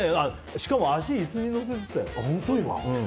しかも足、椅子に乗せてたよ。